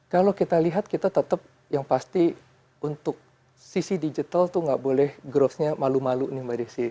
kalau kita lihat kita tetap yang pasti untuk sisi digital tuh nggak boleh growth nya malu malu nih mbak desi